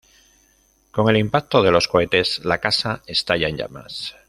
Con el impacto de los cohetes la casa estalla en llamas.